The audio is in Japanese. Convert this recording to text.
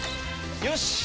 よし！